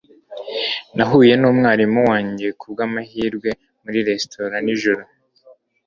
Nahuye numwarimu wanjye kubwamahirwe muri resitora nijoro.